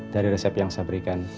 dari resep yang saya berikan